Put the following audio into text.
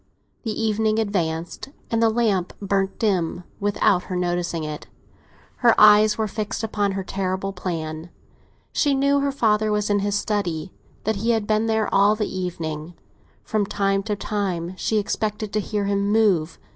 The evening advanced, and the lamp burned dim without her noticing it; her eyes were fixed upon her terrible plan. She knew her father was in his study—that he had been there all the evening; from time to time she expected to hear him move.